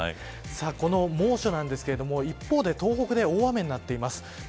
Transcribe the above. さあ、この猛暑なんですけど一方で、東北では大雨になっています。